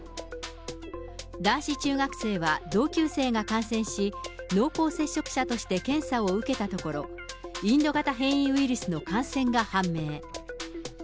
男子中学生は同級生が感染し、濃厚接触者として検査を受けたところ、インド型変異ウイルスの感染が判明。